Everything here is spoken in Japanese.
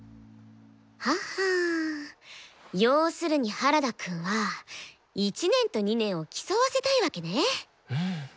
ははん要するに原田くんは１年と２年を競わせたいわけね。